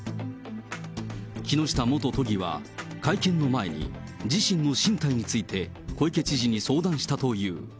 木下元都議は、会見の前に、自身の進退について、小池知事に相談したという。